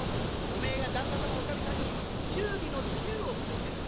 おめえが旦那様おかみさんに忠義の忠を尽くしてた。